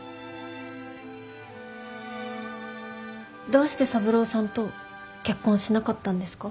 どうして三郎さんと結婚しなかったんですか？